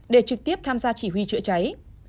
để trực tiếp tham gia chỉ huy chữa cháy